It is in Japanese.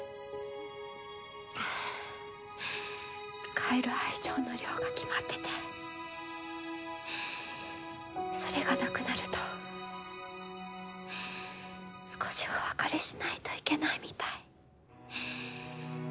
使える愛情の量が決まっててそれがなくなると少しお別れしないといけないみたい。